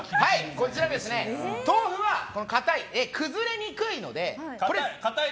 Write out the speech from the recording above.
こちら、豆腐はかたい、崩れにくいので。